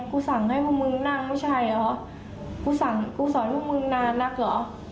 กูสั่งให้พวกมึงนั่งไม่ใช่เหรอกูสั่งกูสอนพวกมึงนานนักเหรอ